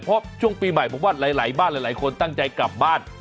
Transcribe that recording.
เพราะช่วงปีใหม่ผมว่าหลายบ้านหลายคนตั้งใจกลับบ้าน